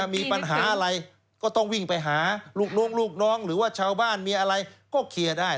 มีปัญหาอะไรก็ต้องวิ่งไปหาลูกน้องลูกน้องหรือว่าชาวบ้านมีอะไรก็เคลียร์ได้